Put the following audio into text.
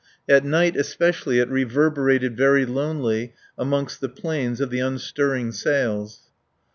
At night especially it reverberated very lonely amongst the planes of the unstirring sails.